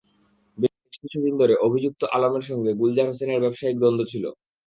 বেশ কিছুদিন ধরে অভিযুক্ত আলমের সঙ্গে গুলজার হোসেনের ব্যবসায়িক দ্বন্দ্ব ছিল।